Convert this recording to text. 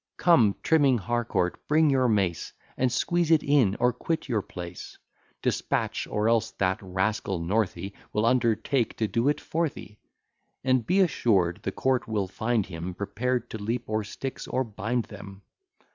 Come, trimming Harcourt, bring your mace; And squeeze it in, or quit your place: Dispatch, or else that rascal Northey Will undertake to do it for thee: And be assured, the court will find him Prepared to leap o'er sticks, or bind them.